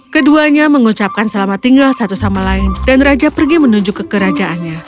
keduanya mengucapkan selamat tinggal satu sama lain dan raja pergi menuju ke kerajaannya